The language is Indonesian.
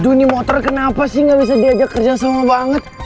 aduh nih motor kenapa sih gak bisa diajak kerja sama banget